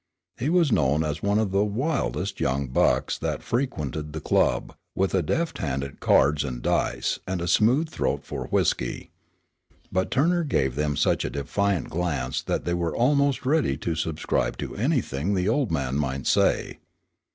He was known as one of the wildest young bucks that frequented the club, with a deft hand at cards and dice and a smooth throat for whisky. But Turner gave them such a defiant glance that they were almost ready to subscribe to anything the old man might say.